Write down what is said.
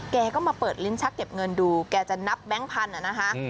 แกก็มาเปิดลิ้นชักเก็บเงินดูแกจะนับแบงค์พันธุ์นะคะ